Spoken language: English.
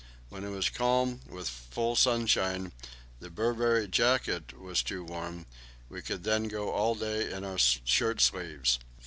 When it was calm, with full sunshine, the Burberry jacket was too warm; we could then go all day in our shirt sleeves.